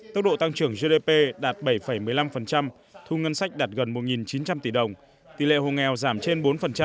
tốc độ tăng trưởng gdp đạt bảy một mươi năm thu ngân sách đạt gần một chín trăm linh tỷ đồng tỷ lệ hồ nghèo giảm trên bốn